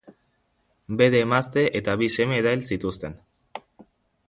Bere emazte eta bi seme erail zituzten.